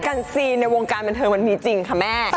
กันซีนในวงการบันเทิงมันมีจริงค่ะแม่